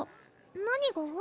何が？